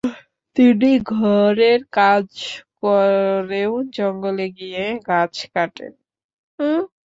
তিনি ঘরের কাজ করেও জঙ্গলে গিয়ে গাছ কাটেন।